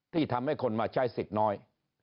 ที่ทำให้คนมาใช้สิทธิ์น้อย